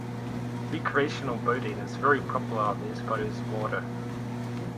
Recreational boating is very popular on these bodies of water.